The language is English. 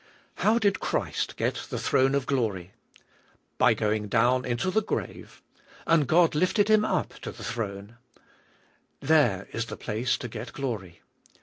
How did Christ g et the throne of g lory? By g"oing down into the g rave, and God lifted Him up to the throne There is the place to g et g"lory.